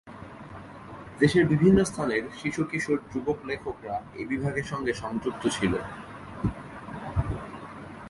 দেশের বিভিন্ন স্থানের শিশু-কিশোর-যুবক লেখকরা এই বিভাগের সঙ্গে সংযুক্ত ছিল।